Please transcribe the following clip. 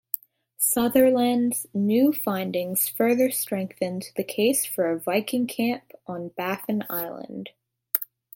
Sutherland's new findings further strengthen the case for a Viking camp on Baffin Island.